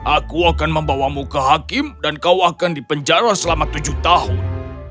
aku akan membawamu ke hakim dan kau akan dipenjara selama tujuh tahun